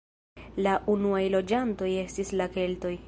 La unuaj loĝantoj estis la keltoj.